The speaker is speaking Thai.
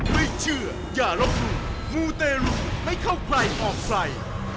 ไม่เชื่ออย่ารบมูมูเตรุไม่เข้าใกล้ออกไฟ